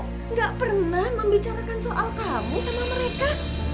mama gak pernah membicarakan soal kamu sama mereka